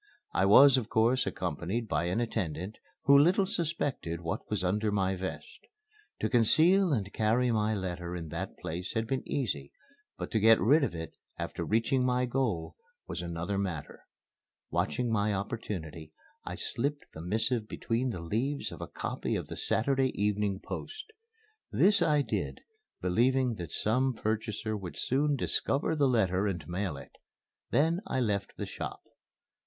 I was of course accompanied by an attendant, who little suspected what was under my vest. To conceal and carry my letter in that place had been easy; but to get rid of it after reaching my goal was another matter. Watching my opportunity, I slipped the missive between the leaves of a copy of the Saturday Evening Post. This I did, believing that some purchaser would soon discover the letter and mail it. Then I left the shop.